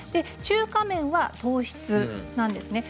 中華麺は糖質です。